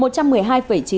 một trăm một mươi hai độ c